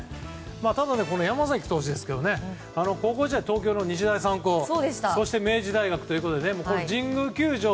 ただ、山崎投手ですけども高校時代、東京の日大三高そして明治大学ということで神宮球場